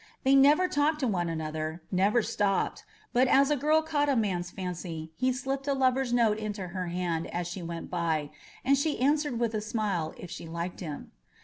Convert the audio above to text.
They never talked to one another, never stopped; but as a girl caught a man's fancy, he sbpped a lover's note into her hand as she went by, and she answered With a smile if she liked him.